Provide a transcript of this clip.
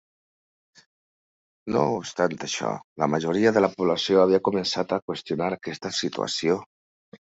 No obstant això, la majoria de la població havia començat a qüestionar aquesta situació.